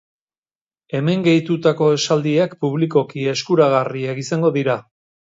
Hemen gehitutako esaldiak publikoki eskuragarriak izango dira.